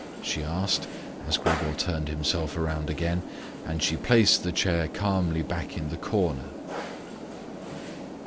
she asked, as Gregor turned himself around again, and she placed the chair calmly back in the corner.